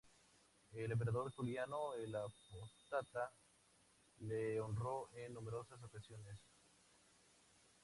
El emperador Juliano el Apóstata le honró en numerosas ocasiones.